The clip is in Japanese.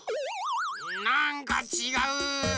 なんかちがう。